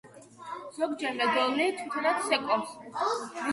ზოგჯერ მედოლე თვითონაც ცეკვავს.